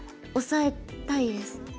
オサえたいです。